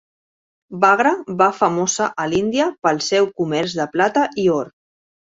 Bagra va famosa a l'Índia pel seu comerç de plata i or.